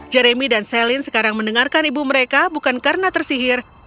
jeremy dan celine sekarang mendengarkan ibu mereka bukan karena tersihir